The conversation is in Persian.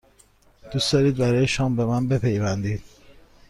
دوست دارید برای شام به من بپیوندید؟